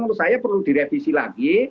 menurut saya perlu direvisi lagi